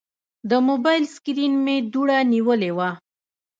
د موبایل سکرین مې دوړه نیولې وه.